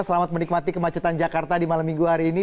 selamat menikmati kemacetan jakarta di malam minggu hari ini